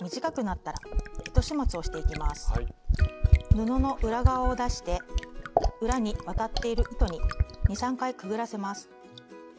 布の裏側を出して裏に渡っている糸に２３回くぐらせます。